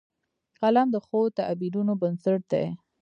قلم د ښو تعبیرونو بنسټ دی